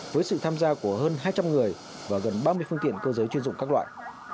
với sự tham gia của hơn hai trăm linh người và gần ba mươi phương tiện cơ giới chuyên dụng các loại